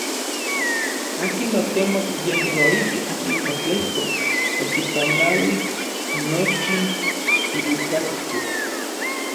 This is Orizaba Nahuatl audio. Akin otemok yej noijki akin otlejkok okipanauij nochin iluikaktli.